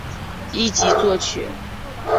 一级作曲。